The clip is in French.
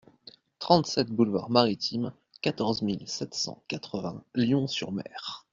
trente-sept boulevard Maritime, quatorze mille sept cent quatre-vingts Lion-sur-Mer